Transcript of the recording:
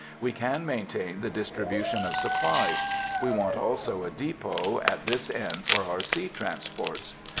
We can maintain the distribution of supplies. We want also a depot at this end for our sea transports.